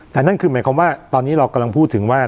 แต่นั่นคือหมายความว่าตอนนี้เรากำลังพูดถึงว่า